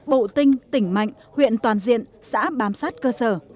bộ tinh tỉnh mạnh huyện toàn diện xã bám sát cơ sở